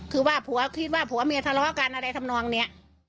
คือว่าผัวคิดว่าผัวเมียทะเลาะกันอะไรทำนองเนี่ย